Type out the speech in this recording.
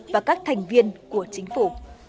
và các thành viên của chính phủ